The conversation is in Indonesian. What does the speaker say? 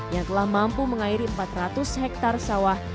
yang telah mampu mengairi empat ratus hektare sawah